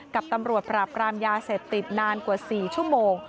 กับตำรวจปราบรามยาเสพติดนานกว่า๔ชั่วโมง